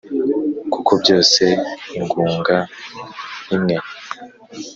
Kuko byose ingunga imwe